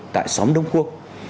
tại xóm đông quốc